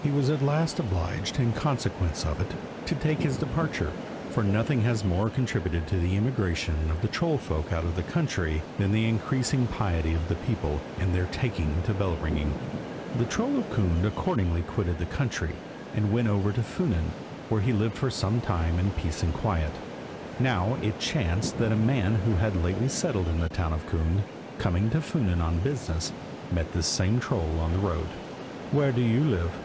He was at last obliged, in consequence of it, to take his departure, for nothing has more contributed to the emigration of the troll folk out of the country, than the increasing piety of the people, and their taking to bell ringing. The troll of Kund accordingly quitted the country, and went over to Funen, where he lived for some time in peace and quiet. Now it chanced that a man who had lately settled in the town of Kund, coming to Funen on business, met this same troll on the road. "Where do you live?"